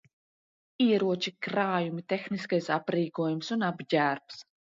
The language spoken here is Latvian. Ieroči, krājumi, tehniskais aprīkojums un apģērbs.